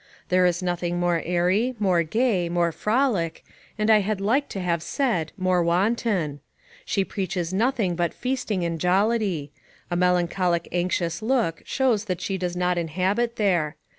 There is nothing more airy, more gay, more frolic, and I had like to have said, more wanton. She preaches nothing but feasting and jollity; a melancholic anxious look shows that she does not inhabit there.